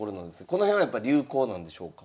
この辺はやっぱ流行なんでしょうか？